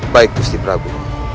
baik gusti prabu